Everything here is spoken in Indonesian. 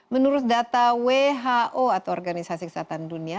menurut data who atau organisasi kesehatan dunia